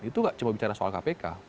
itu nggak cuma bicara soal kpk